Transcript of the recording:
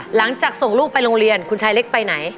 หลังจากส่งลูกไปโรงเรียนคุณชายเล็กไปไหน